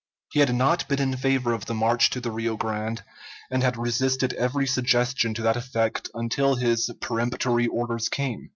He had not been in favor of the march to the Rio Grande, and had resisted every suggestion to that effect until his peremptory orders came.